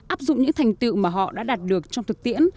áp dụng những thành tựu mà họ đã đạt được trong thực tiễn